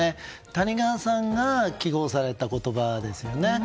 谷川さんが揮ごうされた言葉ですよね。